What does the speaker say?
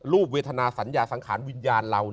เวทนาสัญญาสังขารวิญญาณเรา